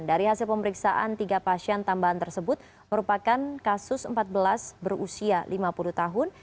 dari hasil pemeriksaan tiga pasien tambahan tersebut merupakan kasus empat belas berusia lima puluh tahun